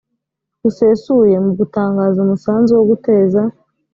busesuye mu gutanga umusanzu wo guteza